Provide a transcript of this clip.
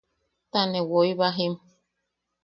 Ta ne woi bajim...